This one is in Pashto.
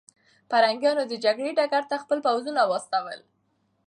پرنګیان د جګړې ډګر ته خپل پوځونه واستول.